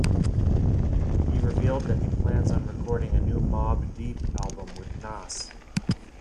He revealed that he plans on recording a new Mobb Deep album with Nas.